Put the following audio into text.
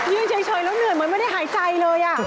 เฉยแล้วเหนื่อยเหมือนไม่ได้หายใจเลย